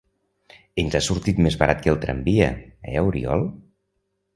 Ens ha sortit més barat que el tramvia, eh Oriol?